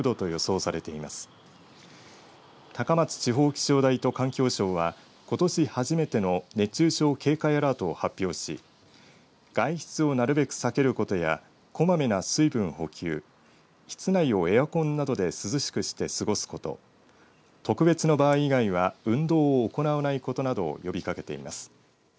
地方気象台と環境省はことし初めての熱中症警戒アラートを発表し外出をなるべく避けることやこまめな水分補給室内をエアコンなどで涼しくして過ごすこと特別の場合以外は運動を行わないことなどを呼びかけています。